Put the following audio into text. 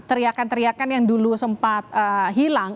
teriakan teriakan yang dulu sempat hilang